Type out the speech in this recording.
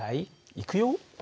いくよ。